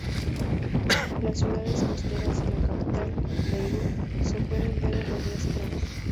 Las ciudades costeras y la capital, Beirut se pueden ver en los días claros.